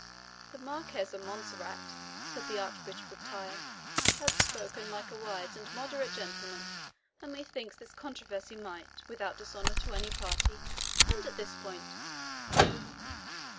"The Marquis of Montserrat," said the Archbishop of Tyre, "hath spoken like a wise and moderate gentleman; and methinks this controversy might, without dishonour to any party, end at this point."